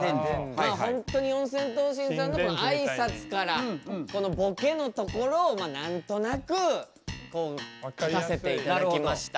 まあほんとに四千頭身さんのあいさつからこのボケのところを何となくこう書かせて頂きました。